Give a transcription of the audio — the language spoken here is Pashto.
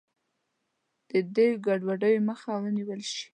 د دې ګډوډیو مخه ونیول شي.